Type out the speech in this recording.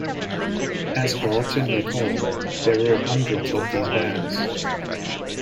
As Barton recalled: There were hundreds of these bands.